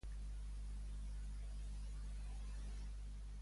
Què element aportava protecció?